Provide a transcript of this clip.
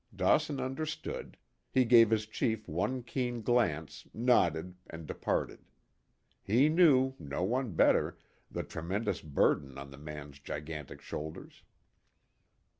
Dawson understood. He gave his chief one keen glance, nodded and departed. He knew, no one better, the tremendous burden on the man's gigantic shoulders.